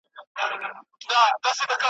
پاچهي وه د وطن د دنیادارو .